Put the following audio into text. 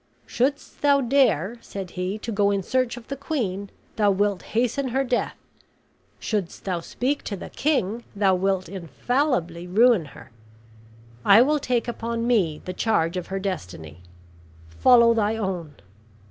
"Shouldst thou dare," said he, "to go in search of the queen, thou wilt hasten her death. Shouldst thou speak to the king, thou wilt infallibly ruin her. I will take upon me the charge of her destiny; follow thy own.